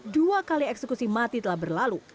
dua kali eksekusi mati telah berlalu